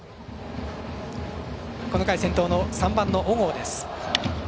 この回、先頭の３番の小郷です。